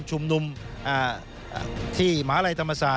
ส่วนต่างกระโบนการ